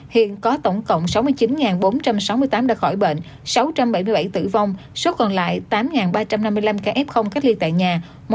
hiện có tổng cộng sáu mươi chín bốn trăm sáu mươi tám đã khỏi bệnh sáu trăm bảy mươi bảy tử vong số còn lại tám ba trăm năm mươi năm ca f cách ly tại nhà